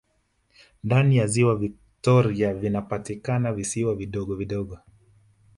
Ndani ya Ziwa Viktoria vinapatikana visiwa vidogo vidogo